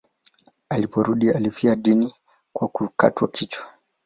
Aliporudi alifia dini kwa kukatwa kichwa.